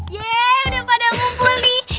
yeay udah pada ngumpul nih